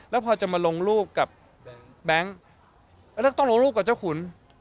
แล้วพอจะมาลงรูปกับแบงค์แล้วต้องลงรูปกับเจ้าขุน